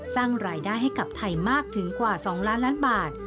สร้างรายได้ให้กับไทยมากถึงกว่า๒ล้านล้านบาท